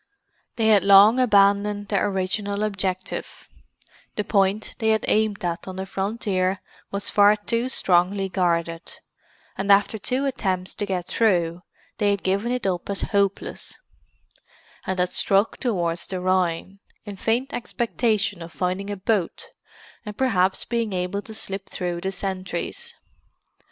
They had long abandoned their original objective; the point they had aimed at on the frontier was far too strongly guarded, and after two attempts to get through, they had given it up as hopeless, and had struck towards the Rhine, in faint expectation of finding a boat, and perhaps being able to slip through the sentries.